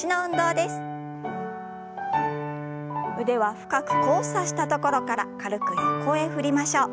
腕は深く交差したところから軽く横へ振りましょう。